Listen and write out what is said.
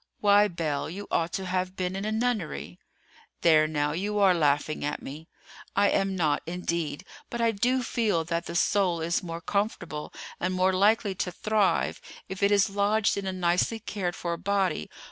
"Why, Belle, you ought to have been in a nunnery." "There, now, you are laughing at me." "I am not, indeed; but I do feel that the soul is more comfortable, and more likely to thrive, if it is lodged in a nicely cared for body.